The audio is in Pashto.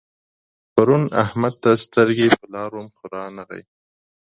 پرون احمد ته سترګې پر لار وم خو نه راغی.